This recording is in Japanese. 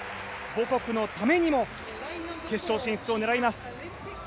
母国のためにも決勝進出を狙います。